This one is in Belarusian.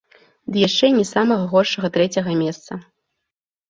Ды яшчэ і не з самага горшага трэцяга месца.